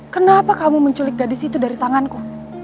kenapa kamu menculik gadis itu dari tanganku